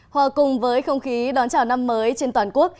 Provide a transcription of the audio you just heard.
hòa cùng với không khí đón chào năm mới trên toàn quốc